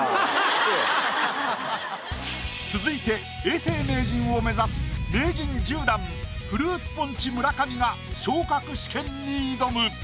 続いて永世名人を目指す名人１０段フルーツポンチ村上が昇格試験に挑む！